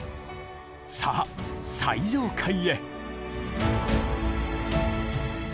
さあ最上階へ。